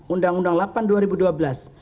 undang undang delapan dua ribu dua belas